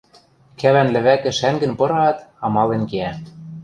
Кӓвӓн лӹвӓкӹ шӓнгӹн пыраат, амален кеӓ.